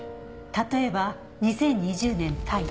例えば２０２０年タイ。